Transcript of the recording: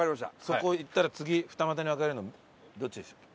そこを行ったら次２股に分かれるどっちでしたっけ？